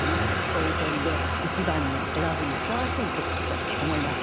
そういう点で一番に選ぶにふさわしい句と思いました。